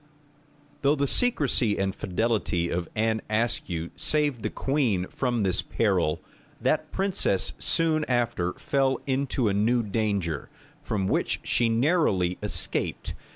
Though the secrecy and fidelity of Anne Ascue saved the queen from this peril, that princess soon after fell into a new danger, from which she narrowly escaped.